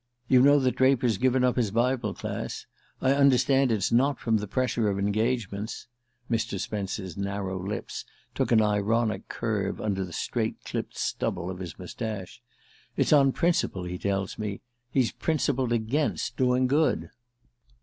"You know that Draper's given up his Bible Class? I understand it's not from the pressure of engagements " Mr. Spence's narrow lips took an ironic curve under the straight clipped stubble of his moustache "it's on principle, he tells me. He's principled against doing good!"